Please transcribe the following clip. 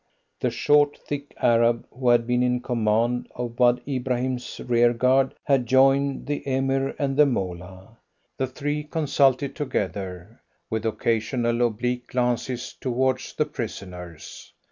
The short, thick Arab, who had been in command of Wad Ibrahim's rearguard, had joined the Emir and the Moolah; the three consulted together, with occasional oblique glances towards the prisoners.